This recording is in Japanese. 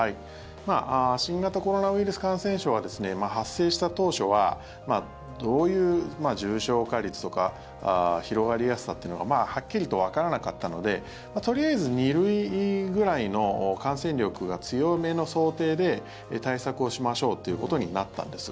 新型コロナウイルス感染症は発生した当初は、どういう重症化率とか広がりやすさっていうのがはっきりとわからなかったのでとりあえず２類ぐらいの感染力が強めの想定で対策をしましょうっていうことになったんです。